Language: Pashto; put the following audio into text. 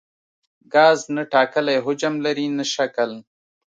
ګاز نه ټاکلی حجم لري نه شکل.